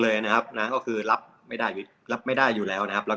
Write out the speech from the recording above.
เลยนะครับนะก็คือรับไม่ได้รับไม่ได้อยู่แล้วนะครับแล้ว